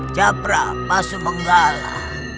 japra pasu benggala